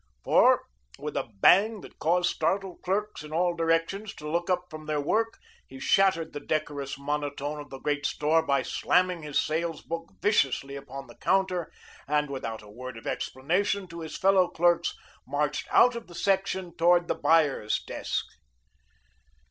For with a bang that caused startled clerks in all directions to look up from their work he shattered the decorous monotone of the great store by slamming his sales book viciously upon the counter, and without a word of explanation to his fellow clerks marched out of the section toward the buyer's desk.